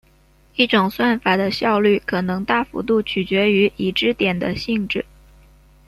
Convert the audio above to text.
一种算法的效率可能大幅度取决于已知点的性质。